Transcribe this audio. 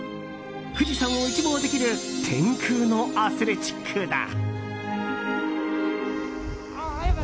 富士山を一望できる天空のアスレチックだ。